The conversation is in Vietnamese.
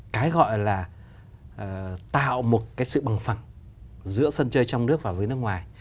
nó gọi là tạo một sự bằng phẳng giữa sân chơi trong nước và với nước ngoài